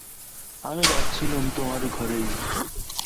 আমি যাচ্ছিলুম তোমার ঘরেই।